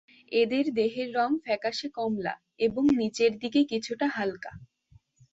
এদের দেহের রং ফ্যাকাশে-কমলা এবং নিচের দিকে কিছুটা হালকা।